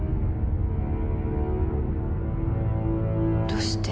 どうして。